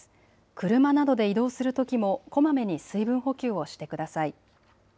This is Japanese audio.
車などで移動するときもこまめに水分補給をしてください。